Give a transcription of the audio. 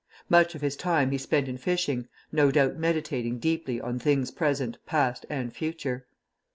Much of his time he spent in fishing, no doubt meditating deeply on things present, past, and future.